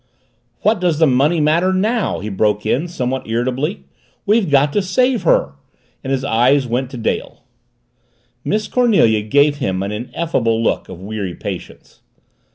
"What does the money matter now?" he broke in somewhat irritably. "We've got to save her!" and his eyes went to Dale. Miss Cornelia gave him an ineffable look of weary patience.